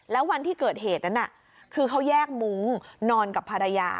แล้ววันที่เกิดเหตุนั้นคือเขาแยกมุ้งนอนกับภรรยา